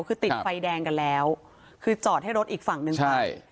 คือติดไฟแดงกันแล้วคือจอดให้รถอีกฝั่งหนึ่งไปใช่